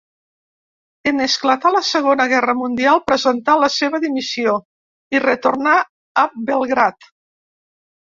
En esclatar la Segona Guerra mundial, presentà la seva dimissió i retornà a Belgrad.